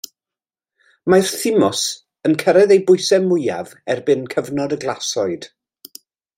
Mae'r thymws yn cyrraedd ei bwysau mwyaf erbyn cyfnod y glasoed.